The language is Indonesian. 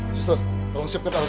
justru tolong siapkan alat ujung